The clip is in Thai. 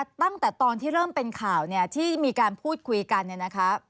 ตั้งแต่ตอนที่เริ่มเป็นข่าวที่มีการพูดคุยกัน